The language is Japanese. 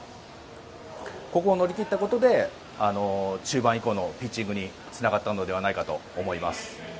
ここを乗り切ったことで中盤以降のピッチングにつながったのではないかと思います。